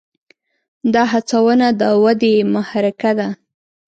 دا هڅونه د ودې محرکه ده.